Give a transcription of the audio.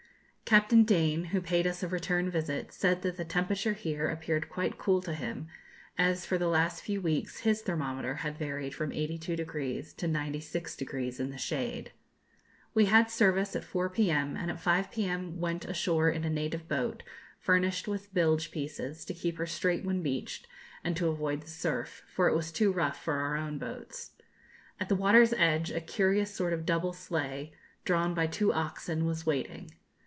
Captain Dane, who paid us a return visit, said that the temperature here appeared quite cool to him, as for the last few weeks his thermometer had varied from 82° to 96° in the shade. We had service at 4 p.m., and at 5 p.m. went ashore in a native boat, furnished with bilge pieces, to keep her straight when beached, and to avoid the surf, for it was too rough for our own boats. At the water's edge a curious sort of double sleigh, drawn by two oxen, was waiting.